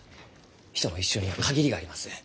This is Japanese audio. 人の一生には限りがあります。